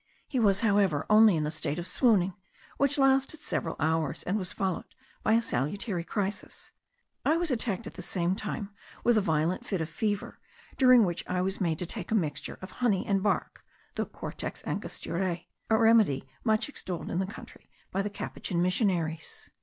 He was however only in a state of swooning, which lasted several hours, and was followed by a salutary crisis. I was attacked at the same time with a violent fit of fever, during which I was made to take a mixture of honey and bark (the cortex Angosturae): a remedy much extolled in the country by the Capuchin missionaries.